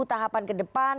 tahapan ke depan